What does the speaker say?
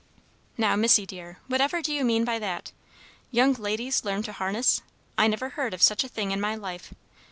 "Now, Missy, dear, whatever do you mean by that? Young ladies learn to harness! I never heard of such a thing in my life!